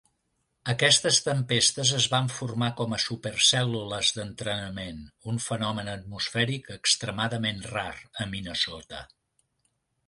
Aquestes tempestes es van formar com a super cèl·lules d'entrenament, un fenomen atmosfèric extremadament rar a Minnesota.